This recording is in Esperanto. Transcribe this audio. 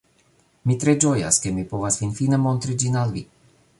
Mi tre ĝojas, ke mi povas finfine montri ĝin al vi